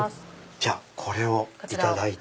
じゃあこれをいただいて。